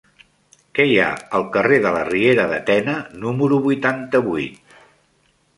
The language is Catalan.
Què hi ha al carrer de la Riera de Tena número vuitanta-vuit?